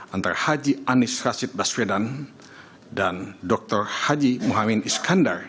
antara haji anies rashid baswedan dan dr haji muhammad iskandar